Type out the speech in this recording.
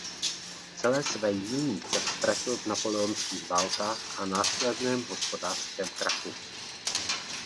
Celé své jmění však ztratil v napoleonských válkách a následném hospodářském krachu.